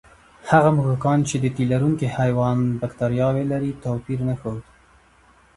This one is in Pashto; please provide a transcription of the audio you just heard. هغه موږکان چې د تیلرونکي حیوان بکتریاوې لري، توپیر نه ښود.